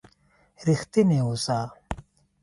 رښتينی اوسه